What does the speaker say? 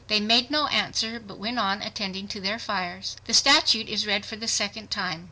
They made no answer but went on attending to their fires." The statute is read for the second time.